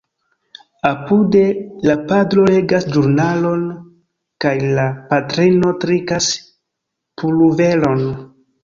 Apude, la patro legas ĵurnalon kaj la patrino trikas puloveron...